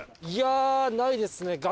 いやあないですね。